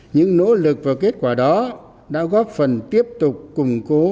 những nỗ lực và kết quả đó đã góp phần tiếp tục củng cố